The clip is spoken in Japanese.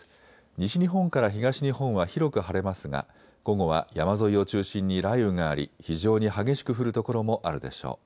西日本から東日本は広く晴れますが午後は山沿いを中心に雷雨があり非常に激しく降る所もあるでしょう。